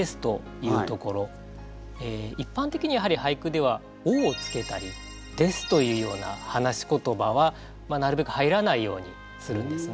一般的にはやはり俳句では「お」をつけたり「です」というような話し言葉はなるべく入らないようにするんですね。